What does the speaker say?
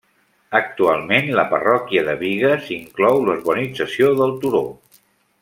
Actualment la Parròquia de Bigues inclou la urbanització del Turó.